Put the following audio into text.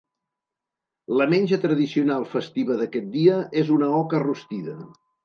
La menja tradicional festiva d'aquest dia és una oca rostida.